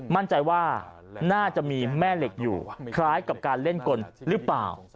มั่นใจว่าน่าจะมีแม่เหล็กอยู่คล้ายกับการเล่นกลหรือเปล่า